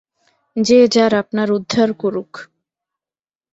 যে যার আপনার উদ্ধার করুক।